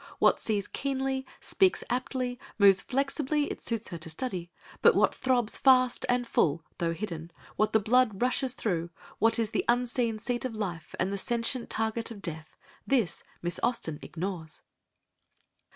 What sees keenly, speaks aptly, moves flexibly, it suits her to study; but what throbs fast and full, though hidden, what the blood rushes through, what is the unseen seat of life, and the sentient target of death, this Miss Austen ignores."